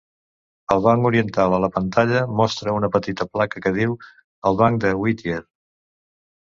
El banc orientat a la pantalla mostra una petita placa que diu, el banc de Whittier.